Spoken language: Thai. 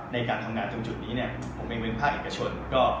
ในการทำงานจนจุดนี้เนี่ยผมเป็นเมืองภาคเอกชน